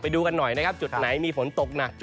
ดูกันหน่อยนะครับจุดไหนมีฝนตกหนัก